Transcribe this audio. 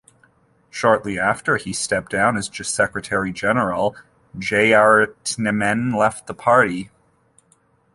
Shortly after he stepped down as Secretary-General, Jeyaretnam left the party.